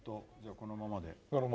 このまま。